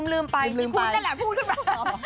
ลืมไปลืมพูดนั่นแหละพูดขึ้นมา